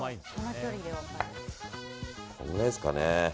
このぐらいですかね。